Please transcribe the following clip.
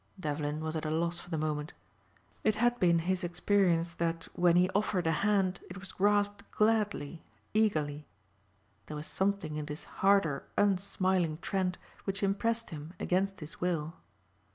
Devlin was at a loss for the moment. It had been his experience that when he offered a hand it was grasped gladly, eagerly. There was something in this harder unsmiling Trent which impressed him against his will.